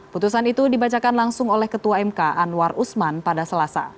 putusan itu dibacakan langsung oleh ketua mk anwar usman pada selasa